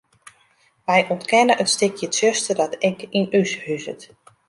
Wy ûntkenne it stikje tsjuster dat ek yn ús huzet.